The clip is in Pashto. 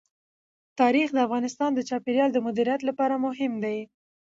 تاریخ د افغانستان د چاپیریال د مدیریت لپاره مهم دي.